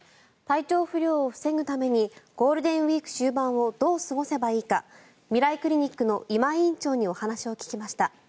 体調不良を防ぐためにゴールデンウィーク終盤をどう過ごせばいいかみらいクリニックの今井院長にお話しを聞きました。